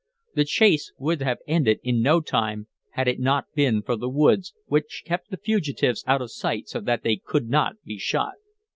The chase would have ended in no time had it not been for the woods, which kept the fugitives out of sight so that they could not be shot.